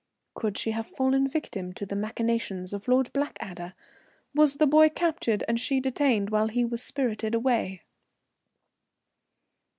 Could she have fallen a victim to the machinations of Lord Blackadder? Was the boy captured and she detained while he was spirited away?